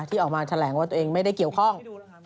ที่ออกมาแถลงว่าตัวเองไม่ได้เกี่ยวข้อง